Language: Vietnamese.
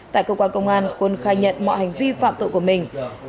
tại cơ quan công an quân khai nhận mọi hành vi phạm tội của mình